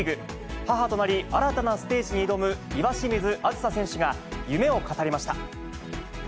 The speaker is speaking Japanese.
母となり、新たなステージに挑む岩清水梓選手が夢を語りました。